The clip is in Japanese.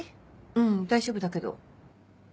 うん大丈夫だけど。